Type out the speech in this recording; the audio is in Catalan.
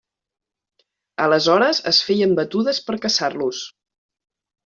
Aleshores es feien batudes per caçar-los.